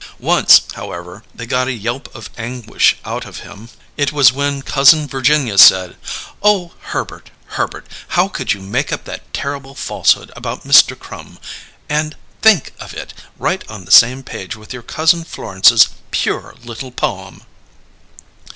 Once, however, they got a yelp of anguish out of him. It was when Cousin Virginia said: "Oh, Herbert, Herbert! How could you make up that terrible falsehood about Mr. Crum? And, think of it; right on the same page with your cousin Florence's pure little poem!"